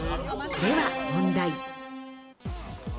では問題。